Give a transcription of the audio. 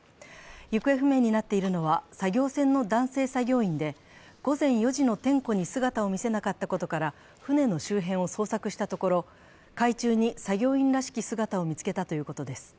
行方不明になっているのは作業船の男性作業員で、午前４時の点呼に姿を見せなかったことから船の周辺を捜索したところ、海中に作業員らしき姿を見つけたということです。